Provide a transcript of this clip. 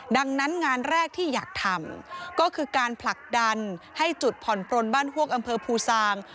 ดังนั้นงานแรกที่อยากทำก็คือการผลักดันให้จุดผ่อนปลนบ้านฮวกอำเภอภูซาง